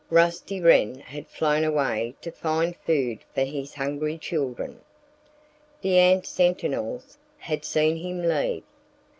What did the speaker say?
Rusty Wren had flown away to find food for his hungry children. The ant sentinels had seen him leave.